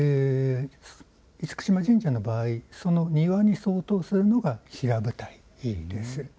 厳島神社の場合、その庭に相当するのが平舞台です。